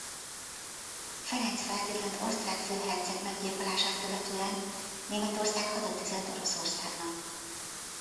Ferenc Ferdinánd osztrák főherceg meggyilkolását követően Németország hadat üzen Oroszországnak.